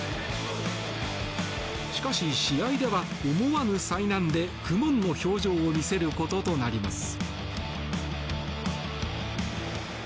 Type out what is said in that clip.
しかし、試合では思わぬ災難で苦もんの表情を見せることとなります。